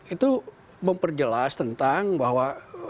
itu memperjelas tentang bahwa